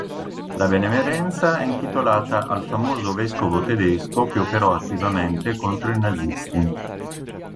La benemerenza è intitolata al famoso vescovo tedesco che operò attivamente contro i nazisti.